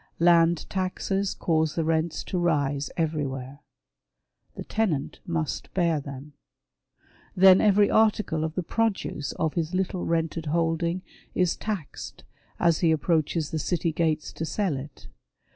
Land taxes cause the rents to rise everywhere. The tenant must bear them. Then every article of the produce of his little rented holding is taxed as he approaches the city gates to sell it.